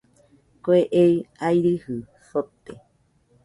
Kue ei airɨjɨ sote.